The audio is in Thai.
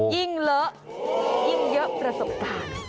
เลอะยิ่งเยอะประสบการณ์